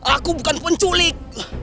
aku bukan penculik